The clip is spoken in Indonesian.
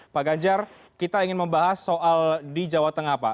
pak ganjar kita ingin membahas soal di jawa tengah pak